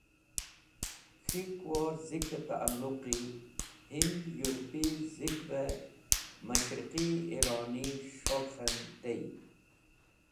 K̃hikwor Zike ta’luqi Hind-Yurpi Zikve Mashriqi Ironi S`holkhen tey.